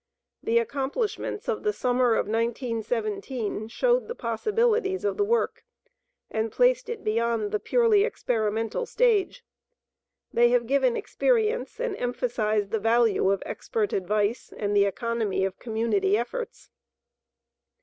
The accomplishments of the summer of 1917 showed the possibilities of the work, and placed it beyond the purely experimental stage. They have given experience and emphasized the value of expert advice and the economy of community efforts.